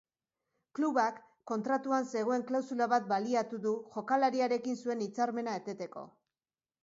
Klubak kontratuan zegoen klausula bat baliatu du jokalariarekin zuen hitzarmena eteteko.